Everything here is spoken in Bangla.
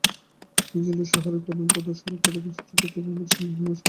মিছিলটি শহরের প্রধান প্রধান সড়ক প্রদক্ষিণ শেষে পেট্রল পাম্পের পাশে সমাবেশ করে।